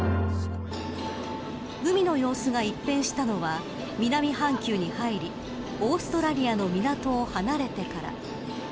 海の様子が一変したのは南半球に入りオーストラリアの港を離れてから。